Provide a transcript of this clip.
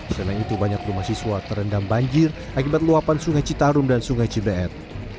selain itu banyak rumah siswa terendam banjir akibat luapan sungai citarum dan sungai cibeet